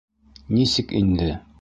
- Нисек инде?